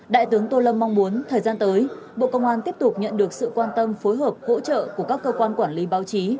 đại tướng tô lâm mong muốn thời gian tới bộ công an tiếp tục nhận được sự quan tâm phối hợp hỗ trợ của các cơ quan quản lý báo chí